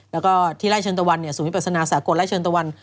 แล้วก็ที่ไล่เชิงตะวันเนี่ยศูนย์วิทยาปรัศนาศาสตร์กฏไล่เชิงตะวัน